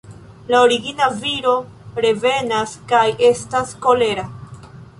La origina viro revenas kaj estas kolera.